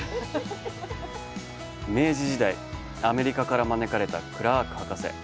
明治時代、アメリカから招かれたクラーク博士。